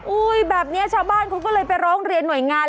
แบบนี้ชาวบ้านเขาก็เลยไปร้องเรียนหน่วยงาน